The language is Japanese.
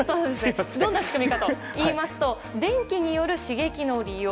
どんな仕組みかといいますと電気による刺激の利用。